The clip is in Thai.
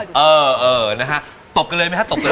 เดี๋ยวก็ต่อไปฉันรู้เธอไม่รู้ค่อยดู